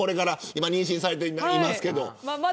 今妊娠していますけど。